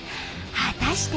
果たして。